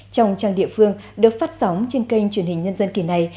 trong trang địa phương được phát sóng trên kênh truyền hình nhân dân kỳ này